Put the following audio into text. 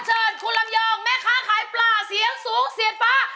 เชิญคุณลำยองแม่ค้าขายปลาเสียงสูงเสียงฟ้า